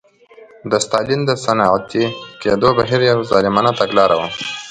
د ستالین د صنعتي کېدو بهیر یوه ظالمانه تګلاره وه